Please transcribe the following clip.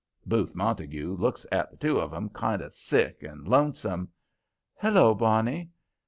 Booth Montague looks at the two of 'em kind of sick and lonesome. "Hello, Barney!